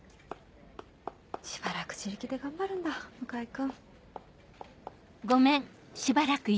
しばらく自力で頑張るんだ向井君。